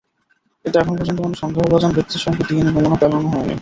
কিন্তু এখন পর্যন্ত কোনো সন্দেহভাজন ব্যক্তির সঙ্গেই ডিএনএ নমুনা মেলানো হয়নি।